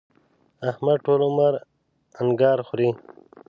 احمد ټول عمر انګار خوري.